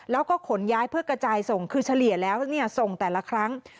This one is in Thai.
แล้วก็ขนย้ายเพื่อกระจายส่งคือเฉลี่ยแล้วส่งแต่ละครั้ง